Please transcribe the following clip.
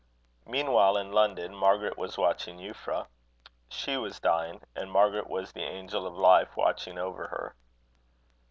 Meanwhile, in London, Margaret was watching Euphra. She was dying, and Margaret was the angel of life watching over her.